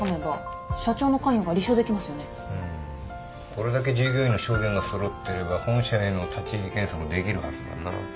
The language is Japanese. これだけ従業員の証言が揃ってれば本社への立入検査もできるはずだな。